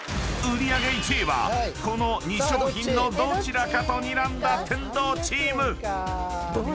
［売り上げ１位はこの２商品のどちらかとにらんだ天童チーム］